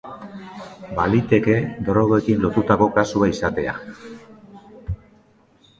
Baliteke drogekin lotutako kasua izatea.